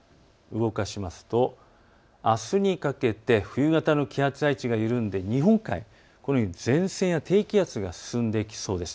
動かしますとあすにかけて冬型の気圧配置が緩んで日本海、このように前線や低気圧が進んでいきそうです。